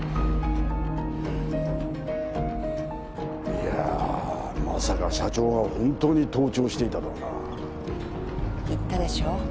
いやぁまさか社長が本当に盗聴していたとはな。言ったでしょ？